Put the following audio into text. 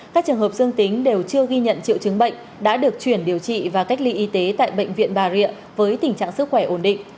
các trường hợp dương tính đều chưa ghi nhận triệu chứng bệnh đã được chuyển điều trị và cách ly y tế tại bệnh viện bà rịa với tình trạng sức khỏe ổn định